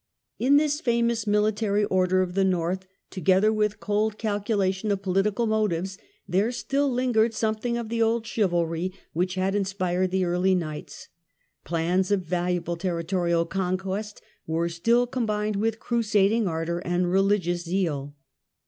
In this famous military order of the North, to gether with cold calculation of political motives, there still lingered something of the old chivalry which had in spired the early Knights ; plans of valuable territorial conquest were still combined with crusading ardour and religious zeal.